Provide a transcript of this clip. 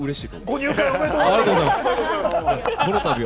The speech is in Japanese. ご入会、おめでとうございます。